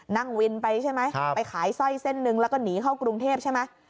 นั่งวินไปใช่ไหมไปขายสร้อยเส้นหนึ่งแล้วก็หนีเข้ากรุงเทพใช่ไหม